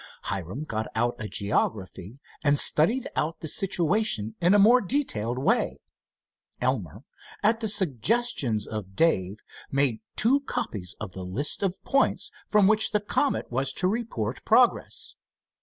Hiram got out a geography and studied out the situation in a more detailed way. Elmer, at the suggestions of Dave, made two copies of the list of points from which the Comet was to report progress.